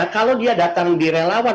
kalau dia datang direlawan